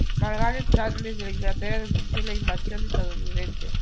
Margaret Thatcher desde Inglaterra denunció la invasión estadounidense.